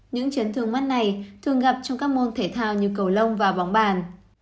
những chấn thương mắt này thường gặp trong các môn thể thao như cầu lông và bóng bàn